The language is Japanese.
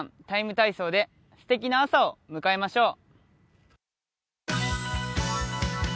ＴＩＭＥ，体操」ですてきな朝を迎えましょう。